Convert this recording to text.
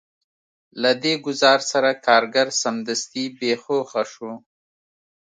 له دې ګزار سره کارګر سمدستي بې هوښه شو